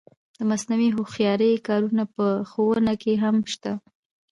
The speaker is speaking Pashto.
د مصنوعي هوښیارۍ کارونه په ښوونه کې هم شته.